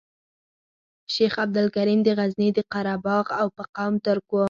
شیخ عبدالکریم د غزني د قره باغ او په قوم ترک وو.